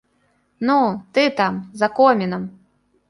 Ну, ты там, за комінам!